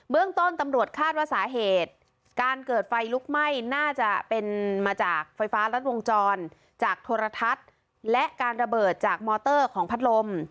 เรื่องต้นตำรวจคาดว่าสาเหตุการเกิดไฟลุกไหม้น่าจะเป็นมาจากไฟฟ้ารัดวงจรจากโทรทัศน์และการระเบิดจากมอเตอร์ของพัดลม